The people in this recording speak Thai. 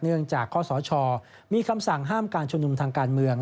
เนื่องจากข้อสชมีคำสั่งห้ามการชุมนุมทางการเมือง